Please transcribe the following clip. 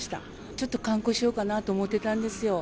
ちょっと観光しようかなと思ってたんですよ。